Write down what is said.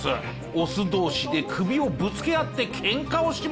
オス同士で首をぶつけ合ってケンカをします。